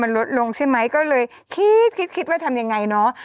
มันลดลงใช่ไหมก็เลยคิดคิดคิดว่าทำยังไงเนอะ